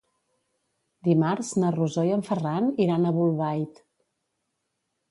Dimarts na Rosó i en Ferran iran a Bolbait.